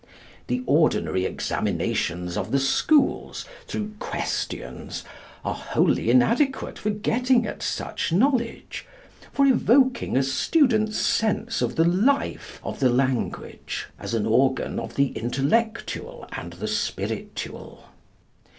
The ordinary examinations of the schools, through questions, are wholly inadequate for getting at such knowledge for evoking a student's sense of the life of the language as an organ of the intellectual and the spiritual.